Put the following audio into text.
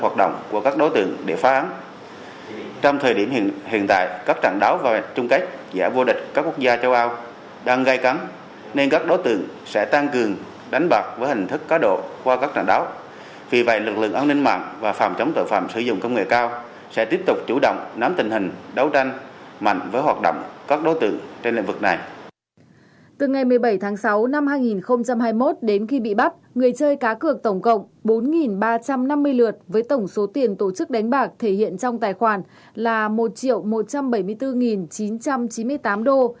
trong đó lễ thắng được một ba trăm năm mươi lượt với tổng số tiền tổ chức đánh bạc thể hiện trong tài khoản là một một trăm bảy mươi bốn chín trăm chín mươi tám đô